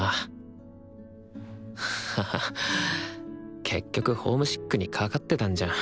ハハ結局ホームシックにかかってたんじゃん